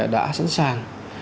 đã sẵn sàng